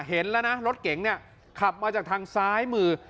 เห็นแล้วนะรถเก๋งเนี่ยขับมาจากทางซ้ายมือ